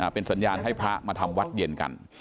เป็นสัญญาณให้พระมาทำวัดเย็นกัน